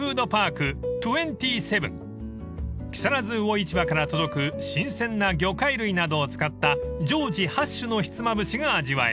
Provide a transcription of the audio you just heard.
［木更津魚市場から届く新鮮な魚介類などを使った常時８種のひつまぶしが味わえます］